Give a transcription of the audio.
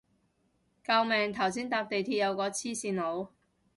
救命頭先搭地鐵有個黐線佬